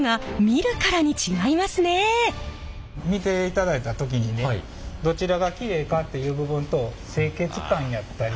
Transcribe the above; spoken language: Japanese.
見ていただいた時にねどちらがきれいかっていう部分と清潔感やったり。